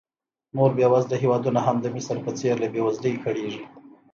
نور بېوزله هېوادونه هم د مصر په څېر له بېوزلۍ کړېږي.